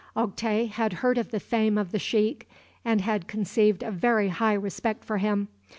Oktay had heard of the fame of the sheikh, and had conceived a very high respect for him.